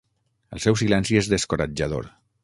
El seu silenci és descoratjador.